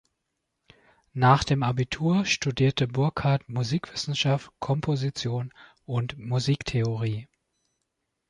Nach dem Abitur studierte Burghardt Musikwissenschaft, Komposition und Musiktheorie.